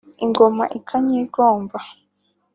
Ingoma ikanyigomba